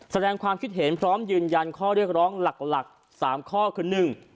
แสดงความคิดเห็นพร้อมยืนยันข้อเรียกร้องหลัก๓ข้อคือ